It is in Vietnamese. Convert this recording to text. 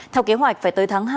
theo kế hoạch phải tới tháng hai